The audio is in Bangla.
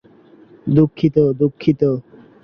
দুঃখিত, দুঃখিত।